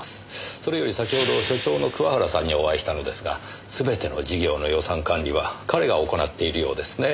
それより先ほど所長の桑原さんにお会いしたのですが全ての事業の予算管理は彼が行っているようですねえ。